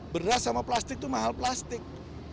beras sama plastik itu mahal plastik